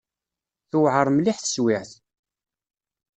Tewɛer mliḥ teswiɛt.